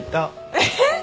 えっ？